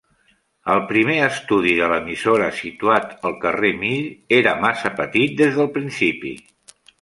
El primer estudi de l'emissora situat al carrer Mill era massa petit des del principi.